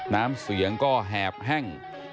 น้ำเสียงก็แหบแห้ง